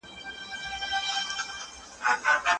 که ما هڅه کړې وای، نو نن به دومره ستړی نه وم.